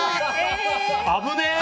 危ねえ！